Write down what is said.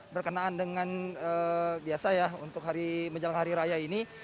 berkenaan dengan biasa untuk menjalankan hari raya ini